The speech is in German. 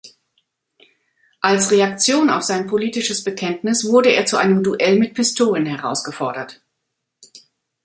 Als Reaktion auf sein politisches Bekenntnis wurde er zu einem Duell mit Pistolen herausgefordert.